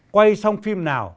quay xong phim nào